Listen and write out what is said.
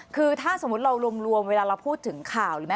คือถ้าสมมุติเรารวมเวลาเราพูดถึงข่าวหรือไม่